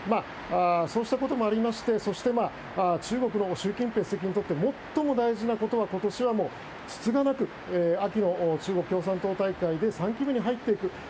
そうしたこともありましてそして、中国の習近平主席にとって最も大事なことは今年はつつがなく秋の中国共産党大会で３期目に入っていく。